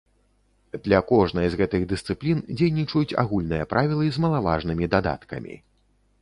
Для кожнай з гэтых дысцыплін дзейнічаюць агульныя правілы з малаважнымі дадаткамі.